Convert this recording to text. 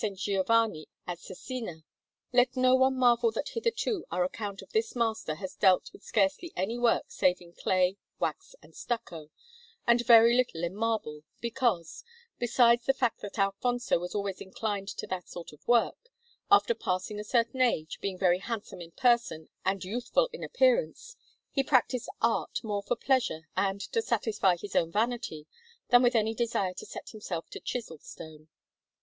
Giovanni at Cesena. Let no one marvel that hitherto our account of this master has dealt with scarcely any work save in clay, wax, and stucco, and very little in marble, because besides the fact that Alfonso was always inclined to that sort of work after passing a certain age, being very handsome in person and youthful in appearance, he practised art more for pleasure and to satisfy his own vanity than with any desire to set himself to chisel stone.